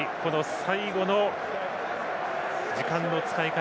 最後の時間の使い方